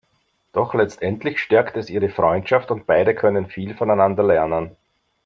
Doch letztendlich stärkt es ihre Freundschaft, und beide können viel voneinander lernen.